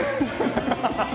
ハハハハ！